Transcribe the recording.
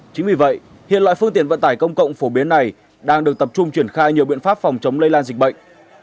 chính vì vậy hiện loại phương tiện vận tải công cộng phổ biến này đang được tập trung triển khai nhiều biện pháp phòng chống lây lan dịch bệnh